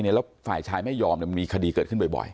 แล้วฝ่ายชายไม่ยอมมีคดีเกิดขึ้นบ่อย